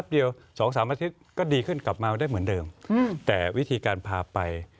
ได้เหมือนเดิมแต่วิธีการพาไป